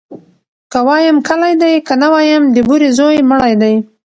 ـ که وايم کلى دى ، که نه وايم د بورې زوى مړى دى.